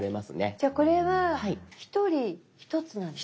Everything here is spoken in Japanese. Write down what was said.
じゃあこれは１人１つなんですね。